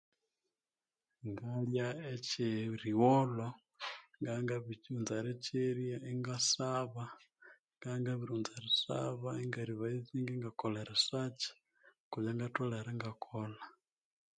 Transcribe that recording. Ngalya ekye righolho nga ngsbirikyighunza erikyira engasaba ngabya ngabirighu erisaba ingaravayizinga ingakolha erisakyi okwa byangatholere ingakolha